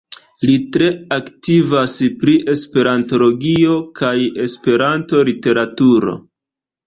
Li tre aktivas pri esperantologio kaj esperanto-literaturo.